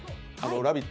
「ラヴィット！」